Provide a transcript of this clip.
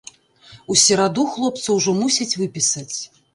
У сераду хлопца ўжо мусяць выпісаць.